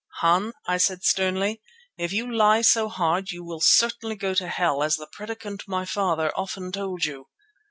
"Hans," I said sternly, "if you lie so hard, you will certainly go to hell, as the Predikant, my father, often told you."